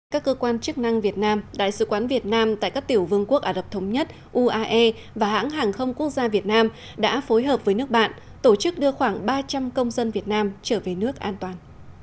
các cơ quan chức năng việt nam đại sứ quán việt nam tại các tiểu vương quốc ả rập thống nhất uae và hãng hàng không quốc gia việt nam đã phối hợp với nước bạn tổ chức đưa khoảng ba trăm linh công dân việt nam trở về nước an toàn